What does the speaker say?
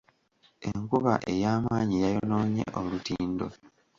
Enkuba ey'amaanyi yayonoonye olutindo.